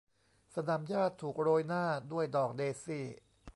สนามหญ้าถูกโรยหน้าด้วยดอกเดซี่